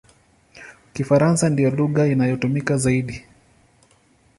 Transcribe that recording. Kifaransa ndiyo lugha inayotumika zaidi.